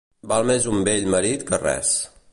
Val més un vell marit que res.